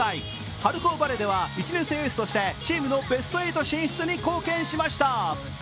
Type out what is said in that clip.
春高バレーでは１年生エースとしてチームのベスト８進出に貢献しました。